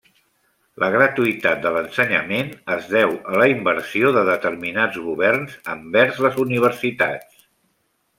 La gratuïtat de l'ensenyament es deu a la inversió de determinats governs envers les universitats.